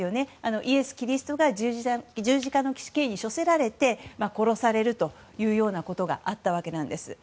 イエス・キリストが十字架の刑に処されて殺されるというようなことがあったわけです。